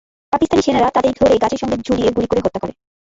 পাকিস্তানি সেনারা তাঁদের ধরে গাছের সঙ্গে ঝুলিয়ে গুলি করে হত্যা করে।